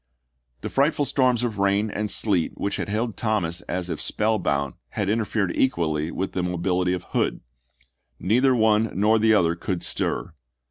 The frightful storms of rain and sleet which had held Thomas as if spell bound had interfered equally with the mobility of Hood. Neither one nor the other could stir.